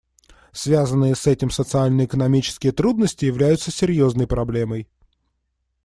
Связанные с этим социально-экономические трудности являются серьезной проблемой.